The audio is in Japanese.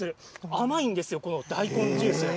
甘いんですよ、この大根ジュースが。